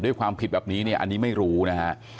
ความผิดแบบนี้เนี่ยอันนี้ไม่รู้นะฮะ